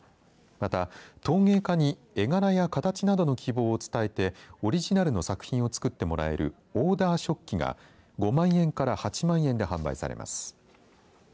また、陶芸家に絵柄や形などの希望を伝えてオリジナルの作品を作ってもらえるオーダー食器が５万円から８万円で販売されます。